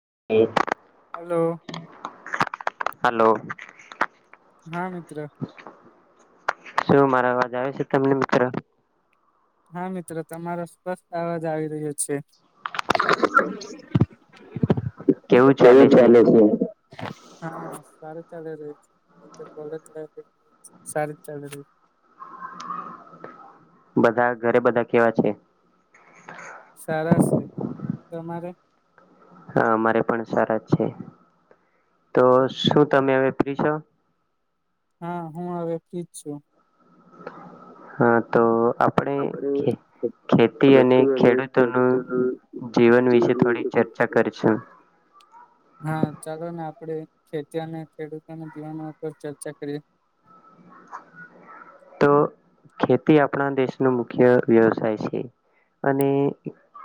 [unintelligible] Hello. Hello. હા મિત્ર. શું મારા અવાજ આવે છે તમને મિત્ર? હા મિત્રો તમારો સ્પષ્ટ અવાજ આવી રહ્યો છે. કેવું ચાલે છે? ચાલી રહ્યું છે [unintelligible] સારૂ ચાલી રહ્યું છે. બધા ઘરે બધા કેવા છે? સારા છે તમારે હા અમારે પણ સારા છે તો શું તમે હવે. [unintelligible] હા હું હવે ફ્રીજ છું. હા તો આપણે કે ખેતી અને ખેડૂતોનું જીવન વિશે થોડી ચર્ચા વિશે કરશું. [inaudible] હા ચાલો ને આપડે ખેતી અને ખેડૂતોના જીવાનો ઉપર ચર્ચા કરી. તો ખેતી આપણા દેશ ન મુખ્ય વ્યવસાય છે. અને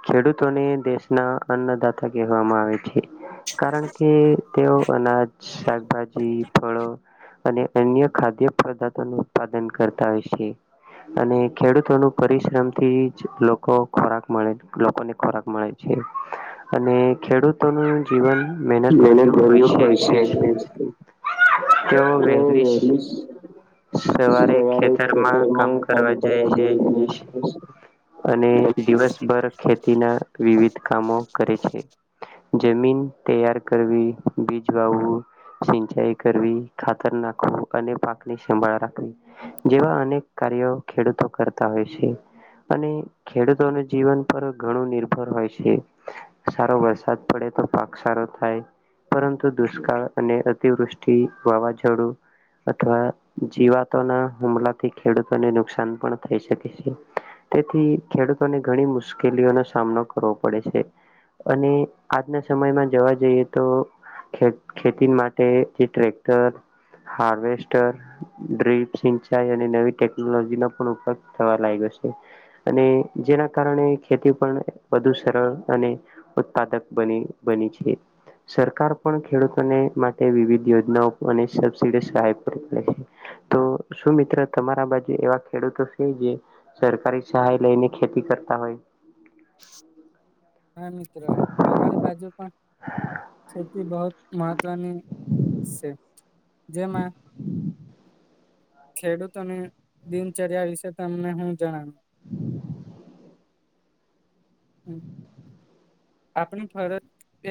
ખેડૂતોને દેશના અન્નદાતા કહેવામાં આવે છે. કારણ કે તેઓ અનાજ શાકભાજી ફળો અને અન્ય ખાદ્ય પદાર્થો ન ઉત્પાદન કરતા હોય છે. અને ખેડૂતો ન પરિશ્રમથી જ લોકો ખોરાક મળે લોકોને ખોરાક મળે છે. અને ખેડૂતોનું જીવન મહેનત ભર્યું હોય છે એ તેઓ વહેલી જ સવારે ખેતરમાં કામ કરવા જાય છે. અને દિવસભર ખેતીના વિવિધ કામો કરે છે. જમીન તૈયાર કરવી બીજ વાવવું. સિંચાઈ કરવી ખાતર નાખવું અને પાક ની સંભાળ રાખવી જેવા અનેક કાર્યો ખેડૂતો કરતા હોય છે. અને ખેડૂતોના જીવન પર ઘણું નિર્ભર હોય છે સારો વરસાદ પડે. પાક સારો થાય પરંતુ દુષ્કાળ અને અતિવૃષ્ટિ વાવાઝોડું અથવા જીવાતોના હુમલા થી ખેડૂતોને નુકસાન પણ થઈ શકે છે. તેથી ખેડૂતોને ઘણી મુશ્કેલીઓનો સામનો કરવો પડે છે. અને આજના સમયમાં જવા જઈએ તો ખે-ખેતી માટે જે ટ્રેક્ટર હાર્વેસ્ટર ડ્રિપ સિંચાઈ અને નવી ટેકનોલોજી ન પણ ઉપયોગ થવા લાગ્યો છે અને જેના કારણે ખેતી પણ વધુ સરળ અને ઉત્પાદક બની બની છે. સરકાર પણ ખેડૂતોને માટે વિવિધ યોજનાઓ અને સબસીડી સહાય [unintelligible] તો શું મિત્ર તમારા બાજુ એવા ખેડૂતો છે. જે સરકારી સહાય લઈને ખેતી કરતા હોય. [inaudible] હા મિત્ર અમારી બાજુ ખેતી બહ મહત્વની છે. જેમાં ખેડૂતોની દિનચર્યા વિશે તમને હું જણાવ્યું હમ. આપણી ફરજ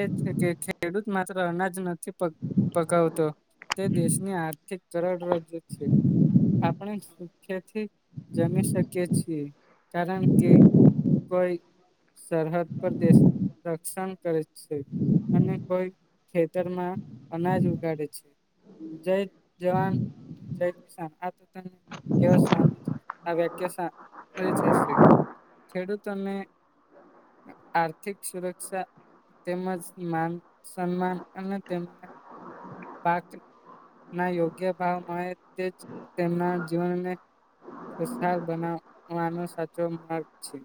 એ છે કે ખેડૂત માત્ર અનાજ ન પગાવતો તે દેશની આર્થિક કરડ રાજ્યો છે આપણે સુખેથી જમી શકી છીએ કારણ કે કોઈ સરહદ પર દેશની રક્ષણ કરે છે. અને કોઈ ખેતરમાં અનાજ ઉગાડે છે. જય જવાન જ કશાન આ તો તને કે સાંભી આ વ્યાખ્યા [unintelligible] મળી જશે ખેડૂતોને આર્થિક સુરક્ષા તેમજ માન સન્માન અને તેમને પાક ના યોગ્ય ભાવ મળે તેજ તેમના જીવનને ખશાલ બનાવવાનો સાચો માર્ગ છે.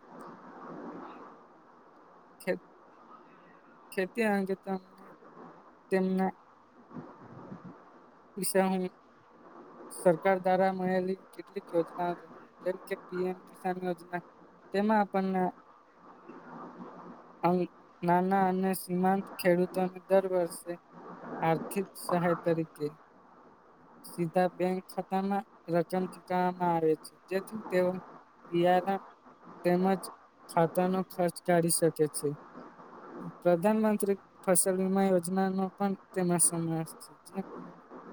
ખ ખેતી અંગે તેમને તેમને પૈસાસા હ સરકાર દ્વારા મળેલી કેટલીક યોજનાઓ જણાવ જેમ કે પીએમ કિસાન યોજના તેમાં આપને [inaudible] અ નાના અને સીમાંત ખેડૂતોને દર વર્ષે આર્થિક સહાય તરીકે સીધા બેંક ખાતામાં રકમ ચૂટવામાં આવે છે જેથી તેઓ બયારણ તેમજ ખાતાનો ખર્ચ કાઢી શકે છે. પ્રધાનમંત્રી ફસલ વીમા યોજના નો પણ તેમાં સમાવેશ છે.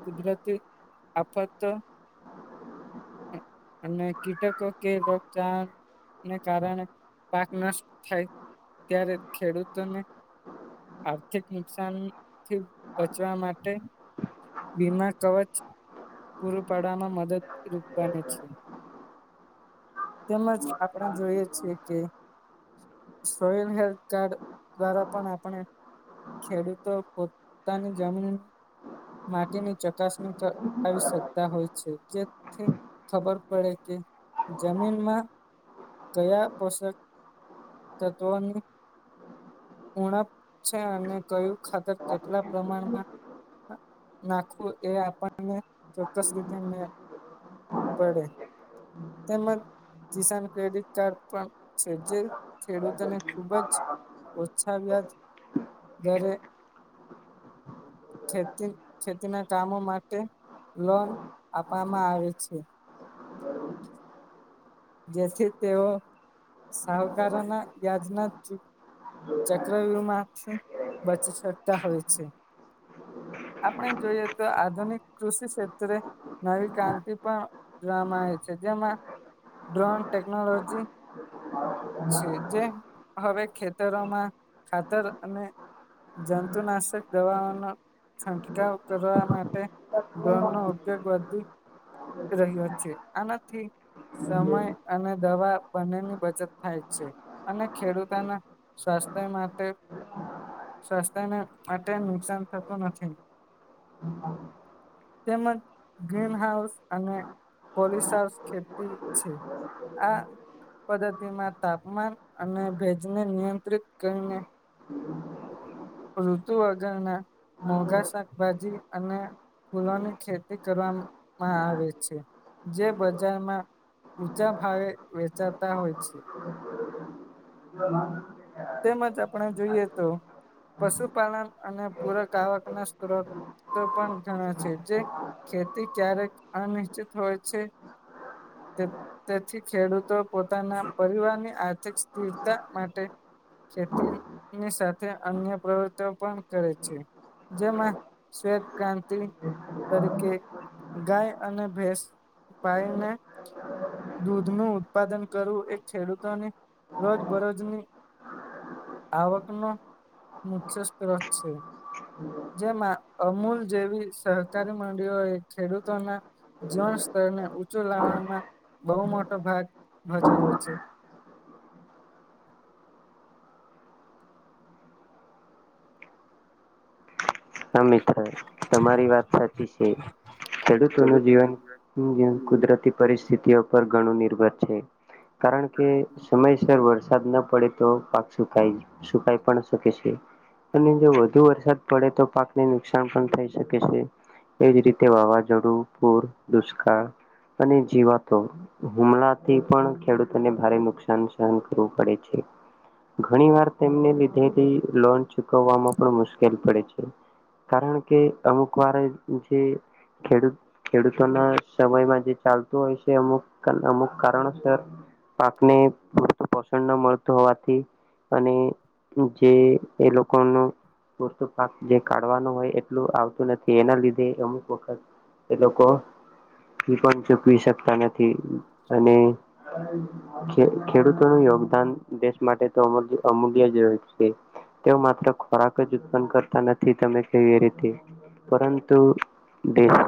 કુદરતી આફત અને કીટકો કે રોગચણ ને કારણે પાક નષ્ટ થાય ત્યારે ખેડૂતોને આર્થિક નુકસાનથી બચવા માટે બીમા કવચ પૂરું પાડવામાં મદદરૂપ બને છે. તેમજ આપણે જોઈએ છીએ કે સોયન હેલ્થ કાર્ડ દ્વારા પણ આપણે ખેડૂતો પોતાની જમીન માટીની ચકાસણી આવી શકતા હોય છે જેથી ખબર પડે કે જમીનમાં કયા પોષક તત્વની ઉણપ છે અને કયું ખાતર કેટલા પ્રમાણમાં નાખવું એ આપણને ચોક્કસ રીતે મે પડે. તેમજ કિસાન ક્રેડિટ કાર્ડ પણ છે જે ખેડૂતોને ખૂબ જ ઓછા વ્યાજ જ્યારે ખેતી ખેતીના કામો માટે લોન આપવામાં આવે છે બરોબર જેથી તેઓ સહકારોના યાદના ચક્રવ્યુહમાંથી બચી શકતા હોય છે આપણે જોઈએ તો આધુનિક કૃષિ ક્ષેત્રે નવી ક્રાંતિ પણ ઉવામાં આવે છે જેમાં ડ્રોન ટેકનોલોજી છે જે હવે ખેતરોમાં ખાતર અને જંતુનાશક દવાઓનો છંટકાવ કરવા માટે ધોન ન ઓ એક વાી રહ્યો છે આ નથી સમય અને દવા બંનેની બચત થાય છે, અને ખેડૂતોના સ્થાનિક માટે સ્વાસ્થ્યને માટે નુકસાન થતું નથી. તેમ ગ્રીન હાઉસ અને પોલીસ ખેતી છે, આ પદ્ધતિમાં તાપમાન અને ભેજને નિયંત્રિત કરીને ઋતુ વગરના મોઘા શાકભાજી અને ફૂલોની ખેતી કરવામાં આવે છે, જે બજારમાં ઊંચા ભાવ વેચાતા હોય છે. હા તેમજ આપણે જોઈએ તો પશુપાલન અને પૂરક આવક ના સ્ત્રોત પણ ઘણા છે, જે ખેતી ક્યારેક અનિશ્ચિત હોય છે. તેથી ખેડૂતો પોતાના પરિવારની આર્થિક સ્થિરતા માટે ખેતીની સાથે અન્ય પ્રવૃતિઓ પણ કરે છે. જેમાં શેર ક્રાંતિ તરીકે ગાય અને ભેંસ પાયને દૂધ ન ઉત્પાદન કરવું એ ખેડૂતોને રોજબરોજની આવકનો મુખ્ય સ્ત્રોત છે. જેમાં અમૂલ જેવી સહકારી મંડળીઓ એ ખેડૂતોના જીવન સ્તરને ઊંચું લાવવામાં બહુ મોટો ભાગ ભજ્યો છે. [unintelligible] હા મિત્ર તમારી વાત સાચી છે. ખેડૂતો ન ખેડૂતોને જીવન કુદરતી પરિસ્થિતિઓ પર ઘણું નિર્ભર છે, કારણ કે સમયસર વરસાદ ન પડે. તો પાક સુકાય સુકાય પણ શકે છે, અને જો વધુ વરસાદ પડે તો પાકને નુકસાન પણ થઈ શકે છે. એજ રીતે વાવાઝોડું, પૂર, દુષ્કાળ અને જીવાતો હુમલાથી પણ ખેડૂતોને ભારે નુકસાન સહન કરવું પડે છે. ઘણી વાર તેમને લીધેથી લોન ચૂકવવામાં પણ મુશ્કેલ પડે છે. કારણ કે અમુક વાર જે ખેડૂત ખેડૂતોના સમયમાં જે ચાલતું હોય છે, અમુક અમુક કારણોસર પાકને પણ પસંદ ન મળતું હોવાથી. અને જે એ લોકો ન પાક જે કાઢવાનું હોય એટલું આવતું નથી, એના લીધે અમુક વખત એ લોકો એ પણ ચૂકવી શકતા નથી, અને ખેડૂતોનું યોગદાન દેશ માટે તો અ અમૂલ્ય જ છે. તેઓ માત્ર ખોરાક જ ઉત્પન્ કર નથી તમે કેવી રીતે પરંતુ દેશ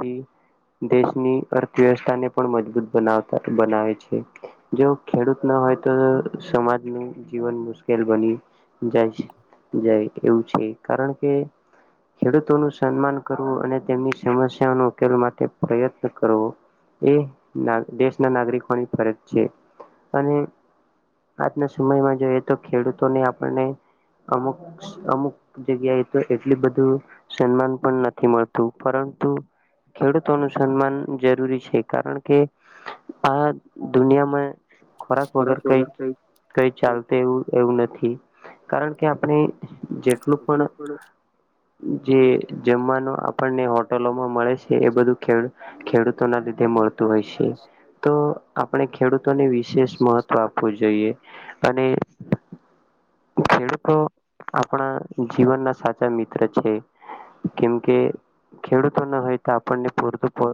દેશની અર્થવ્યવસ્થાને પણ મજબૂત બનાવતા બનાવે છે, જો ખેડૂતના હોય તો સમાજનું જીવન મુશ્કેલ બની જાય છે. જાય એવું છે, કારણ કે ખેડૂતો ન સન્માન કરવું અને તેમની સમસ્યાનો ઉકેલ માટે પ્રયત્ન કરવો. એ દેશના નાગરિકોની ફરજ છે, અને આજના સમયમાં જોઈએ તો ખેડૂતોને આપણને અમુક અમુક જગ્યા તો એટલ બધું સન્માન પણ નથી મળતું પરંતુ ખેડૂતોનું સન્માન જરૂરી છે, કારણ કે આ દુનિયામાં ખોરાક વગર કંઈ કંઈ ચાલશે એવું એવું નથી. કારણ કે આપણે જેટલું પણ જે જમવાનો આપણને હોટલોમાં મળે છે એ બધું ખેડુ ખેડૂતોના લીધે મળતું હોય છે. તો આપણે ખેડૂતોને વિશેષ મહત્વ આપવું જોઈએ અને ખેડૂતો આપણા જીવનના સાચા મિત્ર છે. કેમ કે ખેડૂતો ના હોય તો આપણને પૂરતું ભો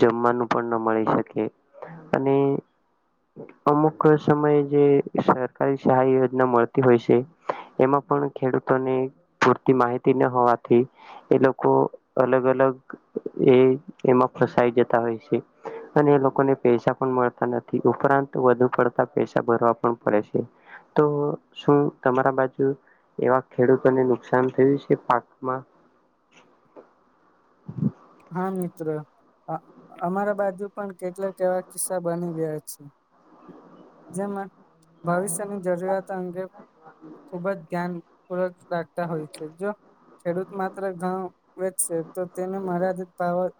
જમવાનું પણ ન મળી શકે. અને અમુક સમયે જે સરકારી સહાય યોજના મળ તી હોય છે. એમાં પણ ખેડૂતોને પૂરતી માહિતી ન હોવાથી એ લોકો અલગ અલગ અલગ એ એમાં ફસાઈ જતા હોય છે. અને એ લોકોને પૈસા પણ મળતા નથી ઉપરાંત વધુ પડતા પૈસા ભરવા પણ પડે છે. તો શું તમારા બાજુ એવા ખેડૂતોને નુકસાન થયું છે પાકમાં. [inaudible] હા મિત્ર અમારા બાજુ પણ કેટલાક એવા કિસ્સા બની ગયા છે. જેમાં. ભવિષ્યની જરૂરિયાત અંગે ખુબ જ ધ્યાન પૂર્વક રાખતા હોય છે જો ખેડૂત માત્ર ઘઊ વેચશે તો તેને મળ પાવર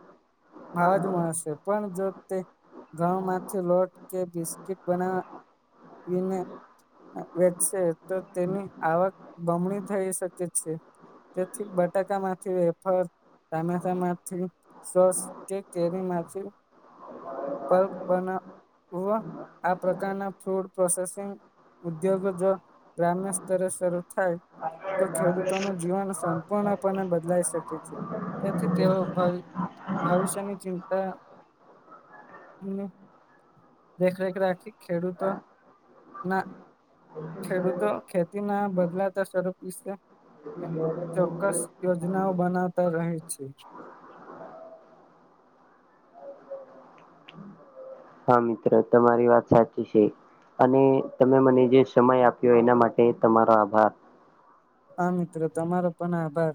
ભાવ જ મણસશે પણ જો તે ઘઉં માટે લોટ કે બિસ્કીટ બનાવે એને વેચશે તો તેની આવક બમણી થઈ શકે છે. તેથી બટાકા માંથી વેફર ટામેટા માં થી સોસ કે કેરીમાંથી પલ્પ બના વા આ પ્રકારના ફૂડ પ્રોસેસિંગ ઉદ્યોગ જો ગ્રામ્ય સ્તરે સરૂ થાય તો ખેડૂતોનું જીવન સંપૂર્ણપણે બદલાઈ શકે છે તેથી તેઓ ભવિષ્યની ચિંતાની દેખરેખ રાખી ખેડૂતો ના ખેડૂતો ખેતીના બદલાતા સ્વરૂપ વિશે ચોક્કસ યોજનાઓ બનાવતા રહે છે. [inaudible] હા મિત્ર તમારી વાત સાચી છે. અને તમે મને જે સમય આપ્યો એના માટે તમારો આભાર હા મિત્રો તમારો પણ આભાર.